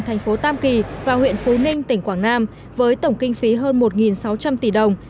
thành phố tam kỳ và huyện phú ninh tỉnh quảng nam với tổng kinh phí hơn một sáu trăm linh tỷ đồng